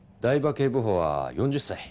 警部補は４０歳。